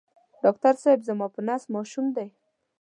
ډاکټر صېب زما په نس ماشوم دی